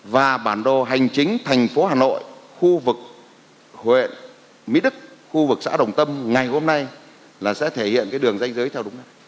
và bản đồ hành chính thành phố hà nội khu vực huyện mỹ đức khu vực xã đồng tâm ngày hôm nay là sẽ thể hiện cái đường danh giới theo đúng